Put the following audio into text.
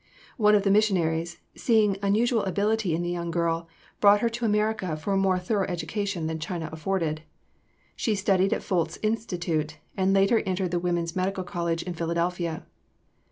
One of the missionaries, seeing unusual ability in the young girl, brought her to America for a more thorough education than China afforded. She studied in Folts Institute, and later entered the Women's Medical College in Philadelphia.